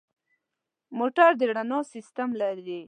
موټر د رڼا سیستم لري.